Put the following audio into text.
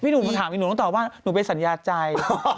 พี่หนูถามหนูต้องตอบว่าหนูไปสัญญาใจ